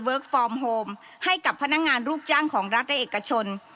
ฟอร์มโฮมให้กับพนักงานลูกจ้างของรัฐและเอกชน